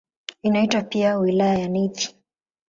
Inaitwa pia "Wilaya ya Nithi".